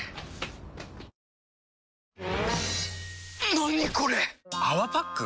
何これ⁉「泡パック」？